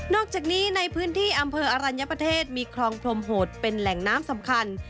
อกจากนี้ในพื้นที่อำเภออรัญญประเทศมีคลองพรมโหดเป็นแหล่งน้ำสำคัญ